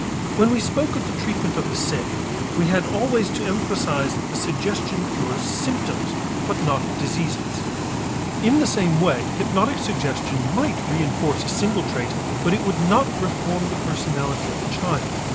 When we spoke of the treatment of the sick, we had always to emphasize that the suggestion cures symptoms but not diseases. In the same way hypnotic suggestion might reënforce a single trait but would not reform the personality of the child.